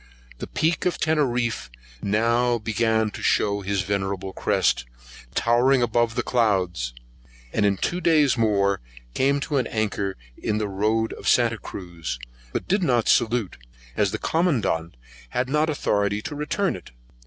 The Peek of Teneriff now began to shew his venerable crest, towering above the clouds; and in two days more came to an anchor in the road of Santa Cruz, but did not salute, as the Commandant had not authority to return it.